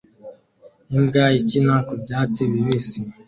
Imbwa ikina ku byatsi bibisi